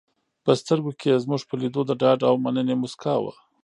په سترګو کې یې زموږ په لیدو د ډاډ او مننې موسکا وه.